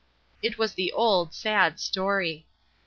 It was the old sad story.